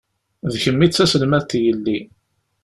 D kemm i d taselmadt n yelli..